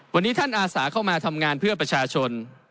วันนี้ท่านอาสาเข้ามาทำงานเพื่อประชาชน